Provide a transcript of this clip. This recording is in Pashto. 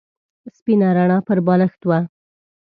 سپینه رڼا پر بالښت وه.